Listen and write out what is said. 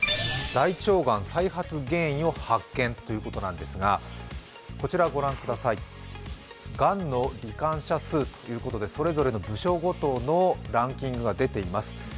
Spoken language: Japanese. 大腸がん再発原因を発見ということなんですが、こちらをご覧ください、がんの罹患者数ということで、それぞれの部所ごとのランキングが出ています。